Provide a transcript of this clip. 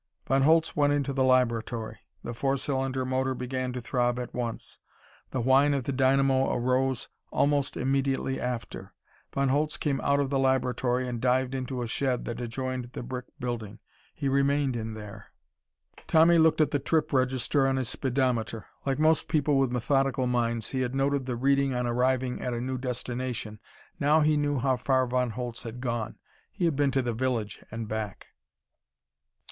Von Holtz went into the laboratory. The four cylinder motor began to throb at once. The whine of the dynamo arose almost immediately after. Von Holtz came out of the laboratory and dived into a shed that adjoined the brick building. He remained in there. Tommy looked at the trip register on his speedometer. Like most people with methodical minds, he had noted the reading on arriving at a new destination. Now he knew how far Von Holtz had gone. He had been to the village and back.